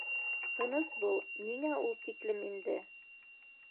— Тыныс бул, ниңә ул тиклем инде